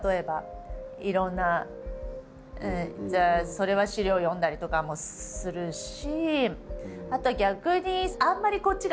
いろんなじゃあそれは資料読んだりとかもするし。